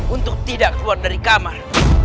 untuk tidak keluar dari kamar